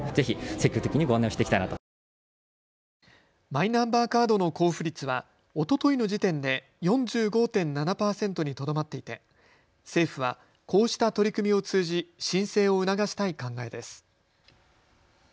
マイナンバーカードの交付率はおとといの時点で４５．７％にとどまっていて政府はこうした取り組みを通じ申請を促したい考えです。